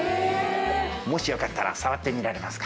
もしよかったら触ってみられますか？